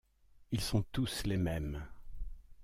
Ils sont tous les mêmes!